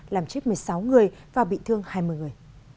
làm chết một mươi sáu người và bị thương hai mươi người